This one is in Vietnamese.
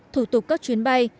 thủ tục các chuyến bay